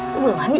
lo belum mandi ya